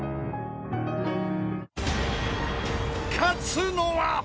［勝つのは］